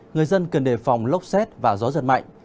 người dân cần đề phòng lốc xét và gió giật mạnh